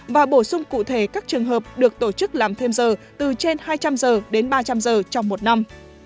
và bổ sung cụ thể các trường hợp được tổ chức làm thêm giờ từ trên hai trăm linh giờ đến ba trăm linh giờ trong một năm